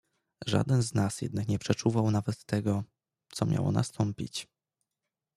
"Żaden z nas jednak nie przeczuwał nawet tego, co miało nastąpić."